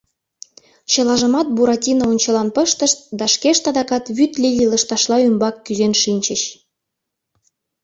Чылажымат Буратино ончылан пыштышт да шкешт адакат вӱд лилий лышташла ӱмбак кӱзен шинчыч.